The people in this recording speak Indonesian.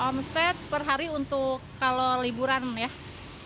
homestead per hari untuk kalau liburan ya ya nyampe lah tujuh sehari